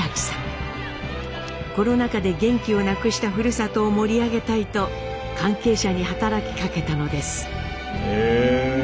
コロナ禍で元気をなくしたふるさとを盛り上げたいと関係者に働きかけたのです。